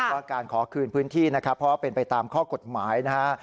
ว่าการขอคืนพื้นที่นะครับเพราะว่าเป็นไปตามข้อกฎหมายนะฮะ